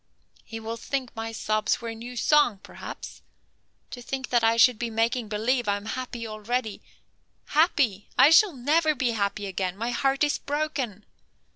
He will think my sobs were a new song, perhaps. To think that I should be making believe I'm happy already. Happy! I shall never be happy again. My heart is broken.